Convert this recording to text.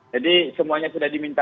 jadi semuanya sudah diminta